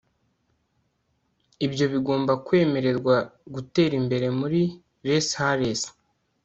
Ibyo bigomba kwemererwa gutera imbere muri Les Halles